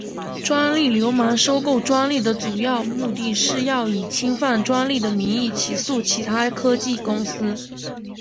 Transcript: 专利流氓收购专利的主要目的是要以侵犯专利的名义起诉其他科技公司。